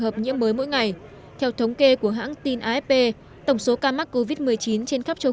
hợp nhiễm mới mỗi ngày theo thống kê của hãng tin afp tổng số ca mắc covid một mươi chín trên khắp châu